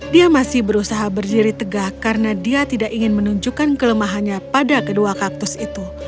dia masih berusaha berdiri tegak karena dia tidak ingin menunjukkan kelemahannya pada kedua kaktus itu